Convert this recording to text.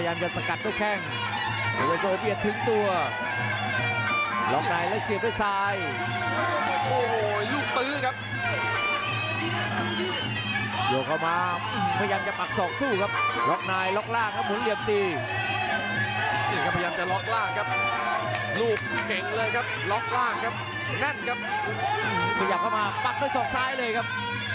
อย่างนั้นครับสยับเข้ามาปักเข้าส่องซ้ายเลยครับ